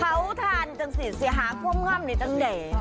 เผาทานจังสีเสียหาคว่ำง่ำในจังเด๋ย